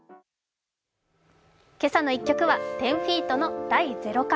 「けさの１曲」は１０−ＦＥＥＴの「第ゼロ感」。